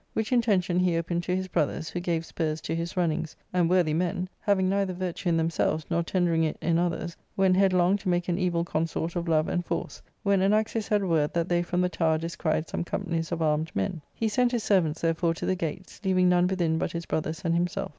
Which intention he opened to his brothers, who gave sputs to his runnings, and (worthy men), having neither virtue in themselves nor tendering it in others, went headlong to make an evil consort of love and force, when Anaxius had word that they from the tower descried some companies of armed men. He sent his servants, therefore, to the gates, leaving none within but his brothers and himself.